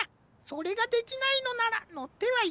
それができないのならのってはいかんよ。